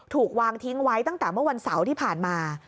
ถูกวางทิ้งไว้ตั้งแต่เมื่อวันเสาร์ที่ผ่านมา